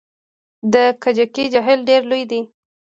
د کجکي جهیل ډیر لوی دی